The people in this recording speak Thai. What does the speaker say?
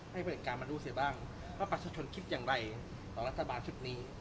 ไว้บริการมาดูบ้างว่าประชาชนคิดอย่างไรต่อรัศบาทธิบดี